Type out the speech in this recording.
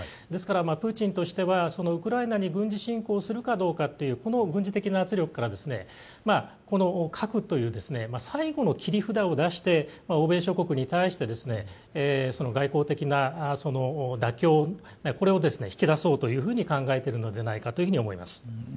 ですから、プーチンとしてはウクライナに軍事侵攻するかどうかとこの軍事的な圧力から核という最後の切り札を出して欧米諸国に対して外交的な妥協を引き出そうと考えているのではないかと思います。